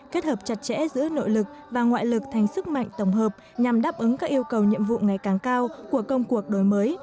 kết hợp chặt chẽ giữa nội lực và ngoại lực thành sức mạnh tổng hợp nhằm đáp ứng các yêu cầu nhiệm vụ ngày càng cao của công cuộc đổi mới